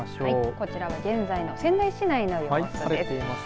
こちらは現在の仙台市内の様子です。